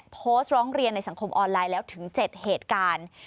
โพสต์ร้องเรียนในสังคมออนไลน์แล้วถึง๗เหตุการณ์